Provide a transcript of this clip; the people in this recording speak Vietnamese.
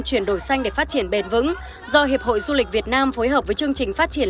chuyển đổi xanh để phát triển bền vững do hiệp hội du lịch việt nam phối hợp với chương trình phát triển